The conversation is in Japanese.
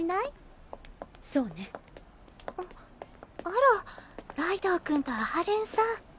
あらライドウ君と阿波連さん。